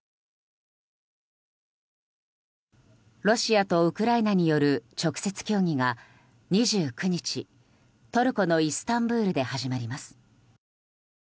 ロシアとウクライナによる直接協議が、２９日トルコのイスタンブールで始まります。